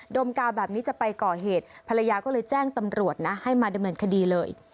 มกาวแบบนี้จะไปก่อเหตุภรรยาก็เลยแจ้งตำรวจนะให้มาดำเนินคดีเลย